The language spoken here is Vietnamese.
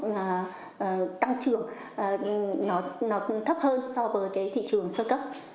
nó tăng trưởng nó thấp hơn so với thị trường sơ cấp